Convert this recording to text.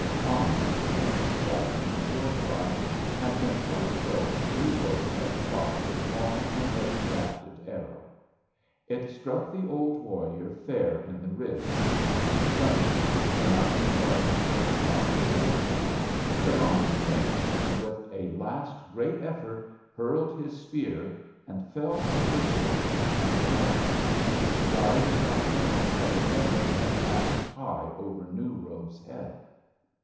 On he came, shouting his war cry, and when quite close New Robe let fly his long and heavy shafted arrow. It struck the old warrior fair in the ribs. He flinched, the mounting blood choked off his war cry, but on he came, and with a last great effort hurled his spear, and fell from his horse and died, died without knowing that the weapon had passed high over New Robe's head!